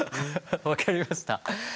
分かりました。